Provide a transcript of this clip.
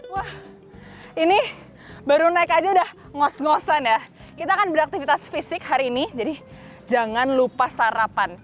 wah ini baru naik aja udah ngos ngosan ya kita akan beraktivitas fisik hari ini jadi jangan lupa sarapan